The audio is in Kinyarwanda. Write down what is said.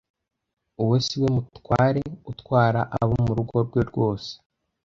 Uwo si we mutware utwara abo murugo rwe rwose